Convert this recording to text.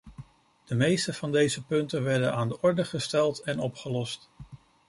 De meeste van deze punten werden aan de orde gesteld en opgelost.